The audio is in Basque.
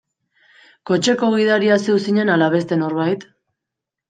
Kotxeko gidaria zeu zinen ala beste norbait?